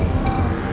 awas awas ya design